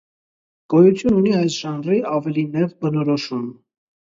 Գոյություն ունի այս ժանրի ավելի նեղ բնորուշում։